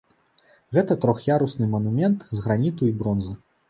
Гэта трох'ярусны манумент з граніту і бронзы.